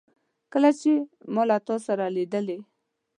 کله چي ما له تا سره لیدلې